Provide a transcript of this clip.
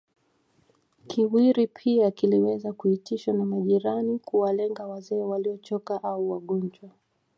Kiwiri pia kiliweza kuitishwa na majirani kuwalenga wazee waliochoka au wagonjwa